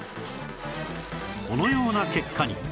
このような結果に